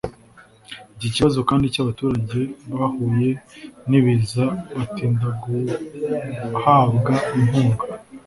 Iki kibazo kandi cy’abaturage bahuye n’ibiza batinda guhabwa inkunga